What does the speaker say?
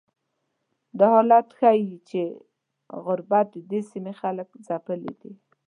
دا حالت ښیي چې غربت ددې سیمې خلک ځپلي دي.